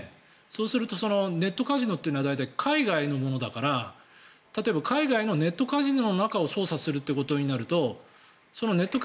そうするとネットカジノというのは大体、海外のものだから例えば海外のネットカジノの中を捜査するということになるとネット